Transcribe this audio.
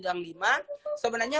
dan lima sebenarnya